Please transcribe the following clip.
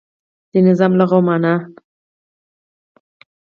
د نظام لغوی معنا